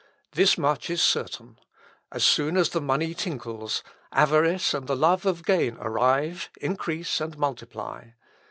"This much is certain; as soon as the money tinkles, avarice and the love of gain arrive, increase, and multiply.